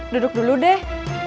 duduk dulu deh